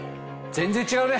全然違うね。